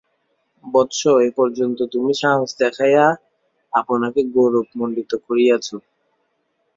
বৎস, এ পর্যন্ত তুমি সাহস দেখাইয়া আপনাকে গৌরবমণ্ডিত করিয়াছ।